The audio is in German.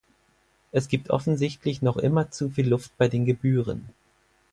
Es gibt offensichtlich noch immer zu viel Luft bei den Gebühren.